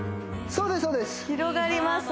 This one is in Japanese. そうです